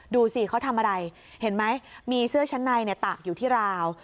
ดูสิเขาทำอะไรเห็นไหมมีเสื้อชั้นในตากอยู่ที่ราว